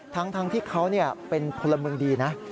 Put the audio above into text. ทั้งที่เขาเป็นพลเมืองดีนะ